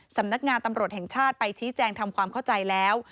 สำนักงานตำรวจแห่งชาติไปชี้แจงทำความเข้าใจแล้ว